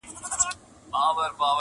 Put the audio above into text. چي د بڼو پر څوکه ژوند کي دي پخلا ووینم،